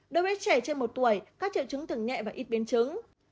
đối với trẻ trên một tuổi các triệu chứng thường nhẹ và ít biến chứng